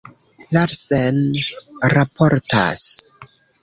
Larsen raportas.